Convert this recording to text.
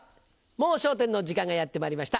『もう笑点』の時間がやってまいりました。